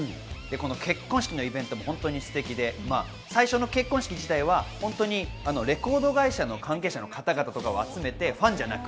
結婚式のイベントも本当にステキで、最初の結婚式自体はレコード会社の関係者の方々とかを集めて、ファンじゃなく。